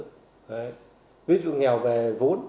đấy ví dụ nghèo về vốn